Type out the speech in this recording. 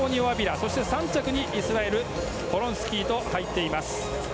そして３着にイスラエルのポロンスキーと入っています。